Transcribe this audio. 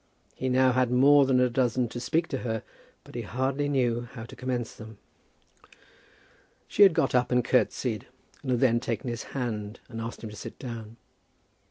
He had now more than a dozen to speak to her, but he hardly knew how to commence them. She had got up and curtseyed, and had then taken his hand and asked him to sit down.